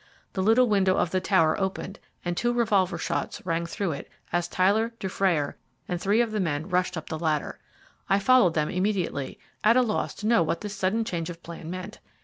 The little window of the tower opened, and two revolver shots rang through it as Tyler, Dufrayer, and three of the men rushed up the ladder. I followed them immediately, at a loss to know what this sudden change of plan meant.